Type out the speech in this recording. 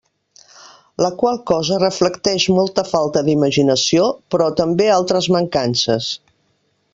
La qual cosa reflecteix molta falta d'imaginació, però també altres mancances.